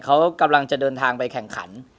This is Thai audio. เขากำลังจะเดินทางไปแข่งขัน